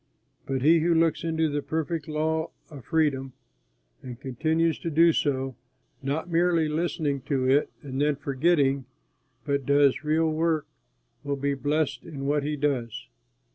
But he who looks into the perfect law of freedom and continues to do so, not merely listening to it and then forgetting, but does real work, will be blessed in what he does.